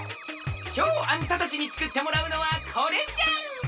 きょうあんたたちにつくってもらうのはこれじゃ！